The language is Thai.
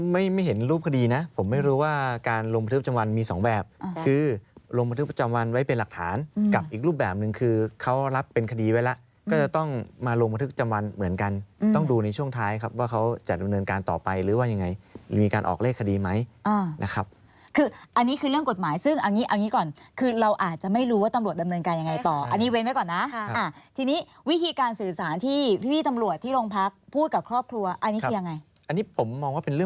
ไม่ไม่เห็นรูปคดีนะผมไม่รู้ว่าการโรงบันทึกประจำวันมีสองแบบคือโรงบันทึกประจำวันไว้เป็นหลักฐานกับอีกรูปแบบหนึ่งคือเขารับเป็นคดีไว้ล่ะก็จะต้องมาโรงบันทึกประจำวันเหมือนกันต้องดูในช่วงท้ายครับว่าเขาจะดำเนินการต่อไปหรือว่ายังไงมีการออกเลขคดีไหมอ่านะครับคืออ